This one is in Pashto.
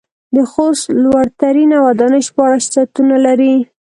د خوست لوړ ترينه وداني شپاړس چتونه لري.